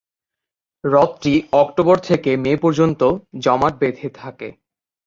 হ্রদটি October থেকে May পর্যন্ত জমাট বেধে থাকে।